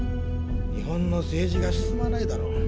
日本の政治が進まないだろ。